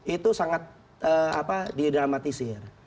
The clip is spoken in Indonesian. itu sangat didramatisir